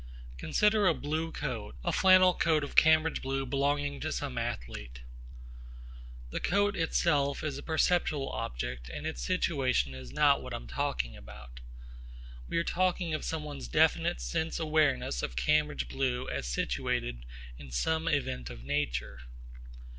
Consider a blue coat, a flannel coat of Cambridge blue belonging to some athlete. The coat itself is a perceptual object and its situation is not what I am talking about. We are talking of someone's definite sense awareness of Cambridge blue as situated in some event of nature.